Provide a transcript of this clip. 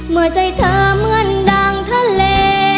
เมื่อใจเธอเหมือนดังทะเล